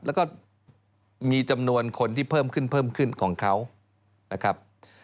แล้วก็มีจำนวนคนที่เพิ่มขึ้นเพิ่มขึ้นของเขานะครับ